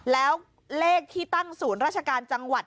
แล้วเลขที่ตั้งศูนย์ราชการจังหวัด